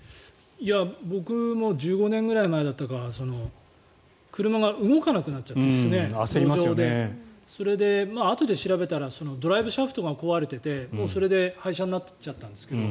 僕も１５年くらい前だったか車が路上で動かなくなっちゃってそれで、あとで調べたらドライブシャフトが壊れていてそれで廃車になっちゃったんですけど。